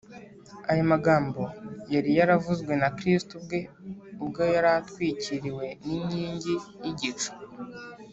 aya magambo yari yaravuzwe na kristo ubwe ubwo yari atwikiriwe n’inkingi y’igicu